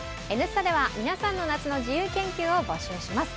「Ｎスタ」では皆さんの夏の自由研究を募集します。